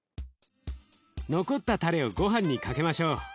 残ったたれをごはんにかけましょう。